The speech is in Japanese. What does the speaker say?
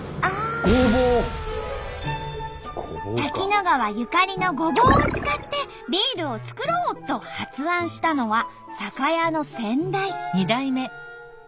滝野川ゆかりのごぼうを使ってビールを作ろう！と発案したのは酒屋の先代。